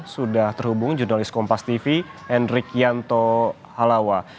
sudah terhubung jurnalis kompas tv endrik yanto halawa